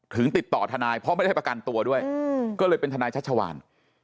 ติดต่อทนายเพราะไม่ได้ประกันตัวด้วยก็เลยเป็นทนายชัชวาน